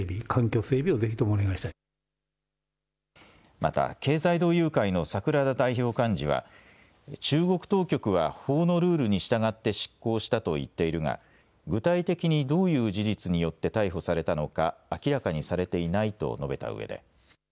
また経済同友会の櫻田代表幹事は中国当局は法のルールに従って執行したと言っているが具体的にどういう事実によって逮捕されたのか明らかにされていないと述べたうえで。